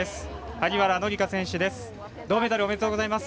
萩原紀佳選手です。